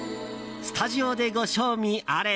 スタジオでご賞味あれ。